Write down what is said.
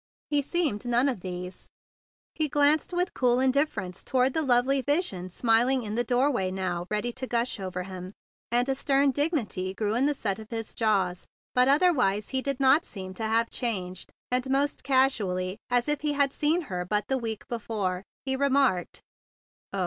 He seemed none of these. He THE BIG BLUE SOLDIER 165 glanced with cool indifference toward the lovely vision smiling in the door¬ way now and ready to gush over him, and a stern dignity grew in the set of his jaw r s; but otherwise he did not seem to have changed, and most casually, as if he had seen her but the week before, he remarked: "Oh!